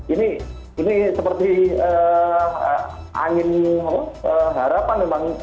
ini seperti angin harapan memang